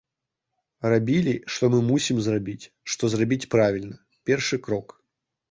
Рабілі, што мы мусім зрабіць, што зрабіць правільна, першы крок.